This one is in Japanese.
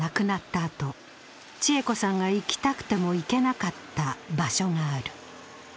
あと千栄子さんが行きたくても行けなかった場所がある。